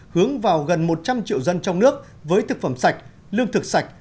hướng vào gần một trăm linh triệu dân trong nước với thực phẩm sạch lương thực sạch